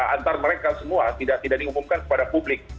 antar mereka semua tidak diumumkan kepada publik